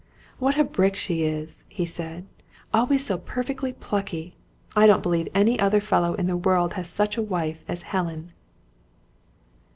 "What a brick she is!" he said. "Always so perfectly plucky. I don't believe any other fellow in the world has such a wife as Helen!"